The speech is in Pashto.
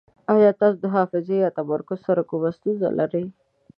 ایا تاسو د حافظې یا تمرکز سره کومه ستونزه لرئ؟